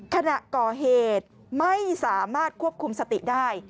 ขณะก่อเหตุไม่สามารถควบคุมสติได้